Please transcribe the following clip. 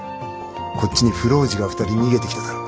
こっちに浮浪児が２人逃げてきただろう。